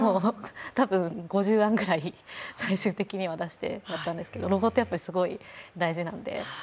多分、５０案ぐらい最終的には出したんですけどロゴってすごい大事なので。